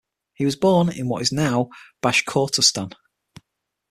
He was born in what is now Bashkortostan.